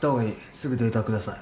すぐデータ下さい。